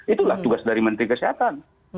itulah tugas dari menteri kesehatan